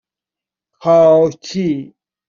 کاچی